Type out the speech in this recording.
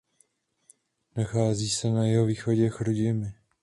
Nachází se na jihovýchodě Chrudimi.